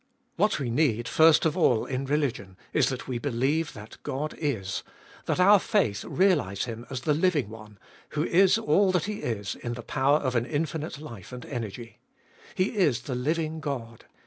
What we need first of all in religion is that we believe that God is, that our faith realise Him as the living One, who is all that He is, in the power of an infinite life and energy. He is the living God!